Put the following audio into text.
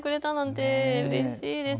うれしいです。